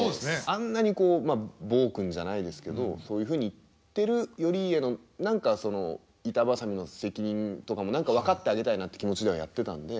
あんなにこう暴君じゃないですけどそういうふうに言ってる頼家の何かその板挟みの責任とかも分かってあげたいなって気持ちではやってたんで。